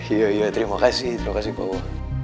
iya iya terima kasih terima kasih pak wo